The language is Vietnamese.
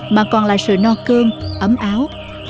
mà còn là sự no cương ấm áo